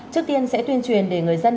trước tiên sẽ tuyên truyền để người dân